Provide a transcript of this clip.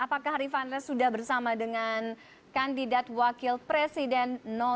apakah rifan res sudah bersama dengan kandidat wakil presiden satu